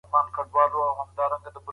دا ټېکنالوژي ارزانه بلل کېږي.